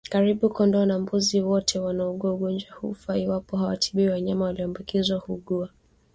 Karibu kondoo na mbuzi wote wanaougua ugonjwa huu hufa iwapo hawatibiwi Wanyama walioambukizwa huugua